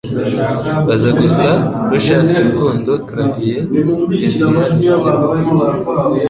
Baza gusa Luscious Rukundo clavier ya Vivian Trimble